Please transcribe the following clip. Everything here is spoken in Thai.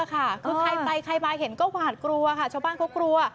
แล้วใครมาเห็นก็หวาดกลัวชาวบ้านก็กลัว